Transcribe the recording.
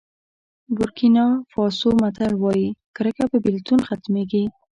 بورکېنا فاسو متل وایي کرکه په بېلتون ختمېږي.